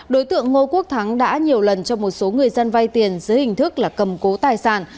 đối tượng ngô quốc thắng đã nhiều lần cho một số người dân vay tiền dưới hình thức là cầm cố tài sản